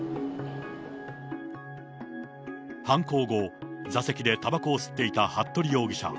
犯行後、座席でたばこを吸っていた服部容疑者。